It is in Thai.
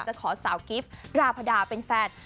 ขอสาวกิฟต์ราพดาเป็นแฟน